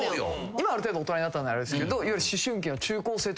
今ある程度大人になったんであれですけど。